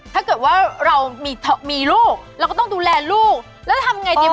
ถ้าเกิดว่าเรามีลูกเราก็ต้องดูแลลูกแล้วทำไงดี